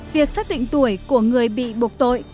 việc xác định tuổi của người bị buộc tội